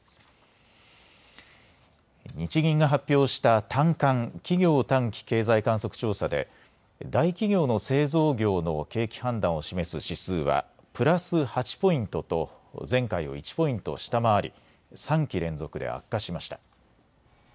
日銀が発表した短観・企業短期経済観測調査で大企業の製造業の景気判断を示す指数はプラス８ポイントと前回を１ポイント下回り３期連続で悪化しました。